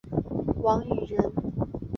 王羽人。